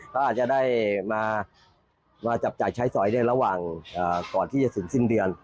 เขาอาจจะได้มาจับจ่ายใช้สอยในระหว่างก่อนที่จะถึงสิ้นเดือน